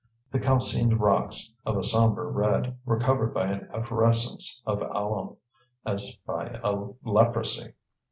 The calcined rocks, of a sombre red, were covered by an efflorescence of alum as by a leprosy.